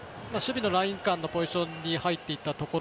守備のライン間のポジションに入っていった。